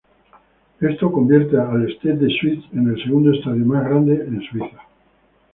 Esto convierte al Stade de Suisse en el segundo estadio más grande de Suiza.